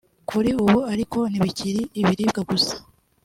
Kuri ubu ariko ntibikiri ibiribwa gusa